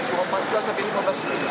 empat belas sampai lima belas per kilogram